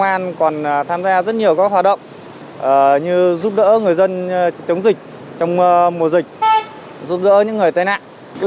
lực lượng công an tham gia rất nhiều các hoạt động như giúp đỡ người dân chống dịch trong mùa dịch giúp đỡ những người tai nạn